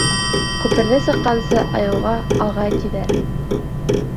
Күперҙе сыҡҡансы айыуға «ағай», тиҙәр.